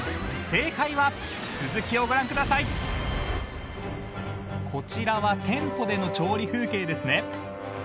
正解はこちらは店舗での調理風景ですね。